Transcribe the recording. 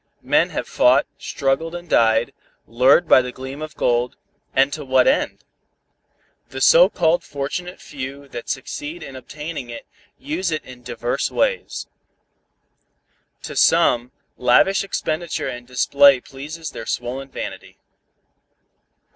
Men have fought, struggled and died, lured by the gleam of gold, and to what end? The so called fortunate few that succeed in obtaining it, use it in divers ways. To some, lavish expenditure and display pleases their swollen vanity.